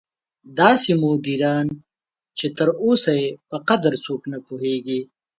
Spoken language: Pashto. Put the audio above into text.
داسې مدیران چې تر اوسه یې په قدر څوک نه پوهېږي.